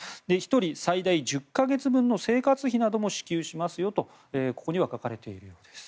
１人最大１０か月分の生活費なども支給しますよと書かれているようです。